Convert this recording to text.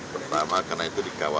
pertama karena itu dikawal